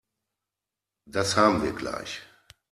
Das haben wir gleich.